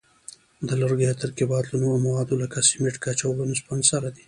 د لرګیو ترکیبات له نورو موادو لکه سمنټ، ګچ او اسفنج سره دي.